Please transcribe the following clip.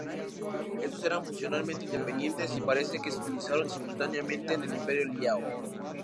Estos eran funcionalmente independientes y parece que se utilizaron simultáneamente en el Imperio Liao.